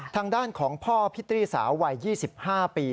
ทางด้านของพ่อพิตรีสาววัย๒๕ปี